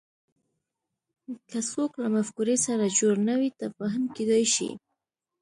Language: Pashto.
که څوک له مفکورې سره جوړ نه وي تفاهم کېدای شي